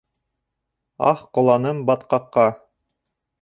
Ах, ҡоланым батҡаҡҡа